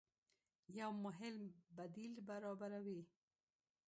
يو مهم بديل برابروي